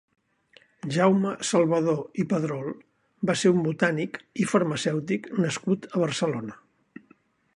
Jaume Salvador i Pedrol va ser un botànic i farmacèutic nascut a Barcelona.